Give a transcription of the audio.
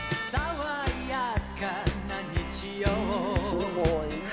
「すごいね」